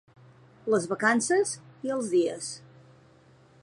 Les vacances i els dies.